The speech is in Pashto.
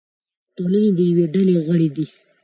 یا د ټولنې د یوې ډلې غړی دی.